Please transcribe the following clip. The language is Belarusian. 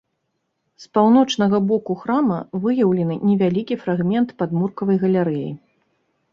З паўночнага боку храма выяўлены невялікі фрагмент падмуркавай галерэі.